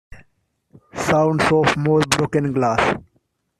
Sounds of more broken glass.